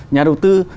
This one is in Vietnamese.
nhà đầu tư